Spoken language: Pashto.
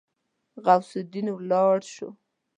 غوث الدين ولاړ شو.